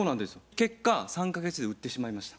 結果３か月で売ってしまいました。